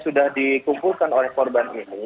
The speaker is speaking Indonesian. sudah dikumpulkan oleh korban ini